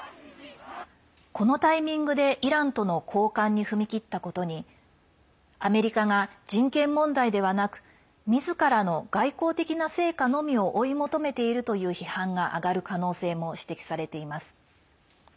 このタイミングで、イランとの交換に踏み切ったことにアメリカが人権問題ではなくみずからの外交的な成果のみを追い求めているという批判が上がる可能性も指摘されています。